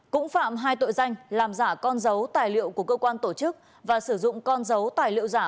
cũng phạm hai tội danh làm giả con dấu tài liệu của cơ quan tổ chức và sử dụng con dấu tài liệu giả